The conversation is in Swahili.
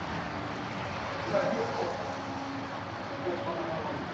mbili katika sensa ya mwaka elfu mbili na kumi na tisa na wale wa